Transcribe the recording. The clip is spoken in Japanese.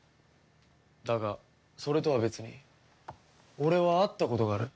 だがそれとは別に俺は会ったことがある。